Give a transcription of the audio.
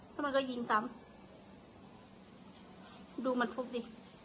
แล้วมันก็ยิงซ้ำดูมันทุบดิ